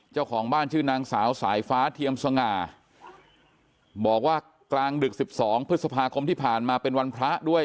เจ้าของบ้านชื่อนางสาวสายฟ้าเทียมสง่าบอกว่ากลางดึก๑๒พฤษภาคมที่ผ่านมาเป็นวันพระด้วย